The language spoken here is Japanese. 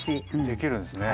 できるんですね。